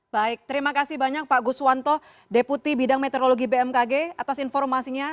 baik terima kasih banyak pak guswanto deputi bidang meteorologi bmkg atas informasinya